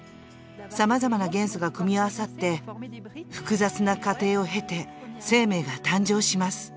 さまざまな元素が組み合わさって複雑な過程を経て生命が誕生します。